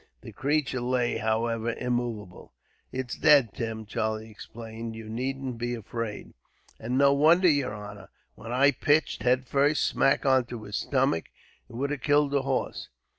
The creature lay, however, immovable. "It is dead, Tim," Charlie exclaimed. "You needn't be afraid." "And no wonder, yer honor, when I pitched, head first, smack onto his stomach. It would have killed a horse."